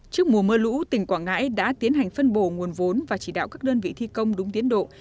trước mùa mưa lũ tỉnh quảng ngãi đã tiến hành phân bổ nguồn vốn và chỉ đạo các đơn vị thi công đúng tiến độ